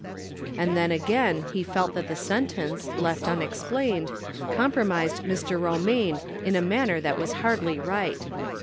And then again he felt that the sentence, left unexplained, compromised Mr. Romaine in a man ner that was hardly right.